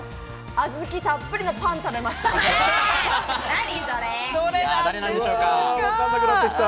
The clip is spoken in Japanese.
小豆たっぷりのパンを食べました。